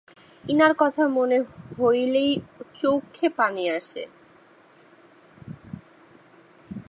Inner কথা মনে হইলেই চউক্ষে পানি আসে।